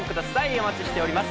お待ちしております。